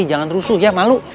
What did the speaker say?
jangan rusuh ya malu